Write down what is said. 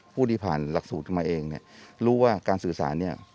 ผู้๙๑๑ถึงมาเองเนี่ยรู้ว่าการสื่อสารเนี่ย